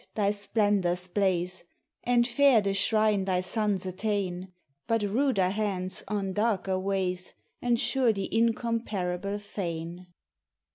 thy splendors blaze, And fair the shrine thy sons attain; But ruder hands on darker ways Ensure the incomparable fane.